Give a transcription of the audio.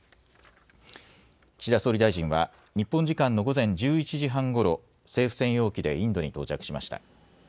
岸田総理大臣は日本時間の午前１１時半ごろ、政府専用機でインドに到着しました。